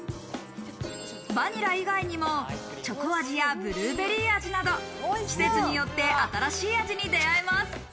バニラ以外にもチョコ味やブルーベリー味など季節によって新しい味に出会えます。